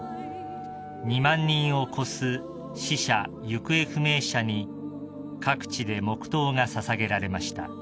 ［２万人を超す死者行方不明者に各地で黙とうが捧げられました］